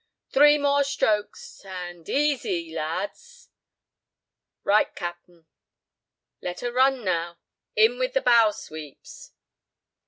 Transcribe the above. "Three more strokes—and easy—lads." "Right, capt'n." "Let her run now; in with the bow sweeps."